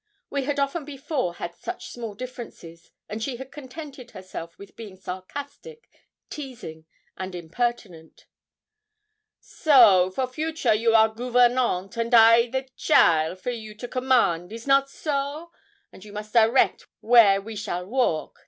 We had often before had such small differences, and she had contented herself with being sarcastic, teasing, and impertinent. 'So, for future you are gouvernante and I the cheaile for you to command is not so? and you must direct where we shall walk.